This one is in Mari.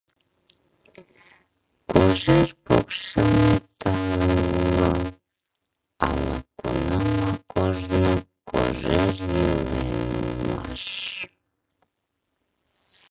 Кожер покшелне тале уло, ала-кунамак ожно кожер йӱлен улмаш.